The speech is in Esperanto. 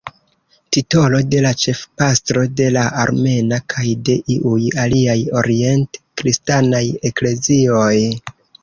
Titolo de la ĉefpastro de la armena kaj de iuj aliaj orient-kristanaj eklezioj.